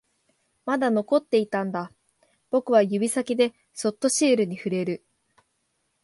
まだ残っていたんだ、僕は指先でそっとシールに触れる